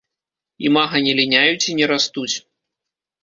Імага не ліняюць і не растуць.